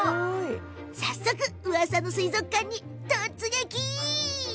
早速、うわさの水族館に突撃。